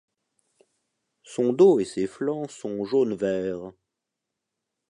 Son dos et ses flancs sont jaune-vert.